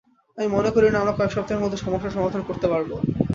আমি মনে করি না, আমরা কয়েক সপ্তাহের মধ্যে সমস্যার সমাধান করতে পারব।